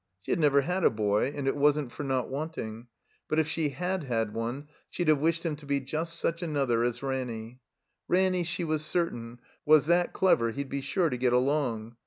She had never had a boy (and it wasn't for not wanting), but if she had had one she'd have wished him to be just such another as Ranny. Ranny, she was cer tain, was that clever he'd be sure to get along.